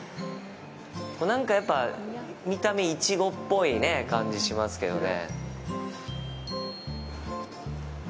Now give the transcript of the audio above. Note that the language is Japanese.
なんか、やっぱ見た目イチゴっぽい感じしますけどね。